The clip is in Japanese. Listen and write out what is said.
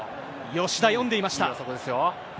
吉田、読んでいました。